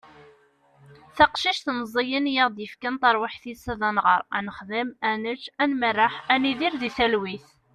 taqcict meẓẓiyen i aɣ-d-yefkan taṛwiḥt-is ad nɣeṛ, ad nexdem, ad nečč, ad merreḥ, ad nidir di talwit